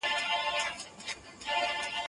ايا ته زده کړه کوې،